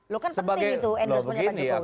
lo kan penting itu andrews penyataan jokowi